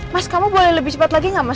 mas kamu boleh lebih cepat lagi nggak mas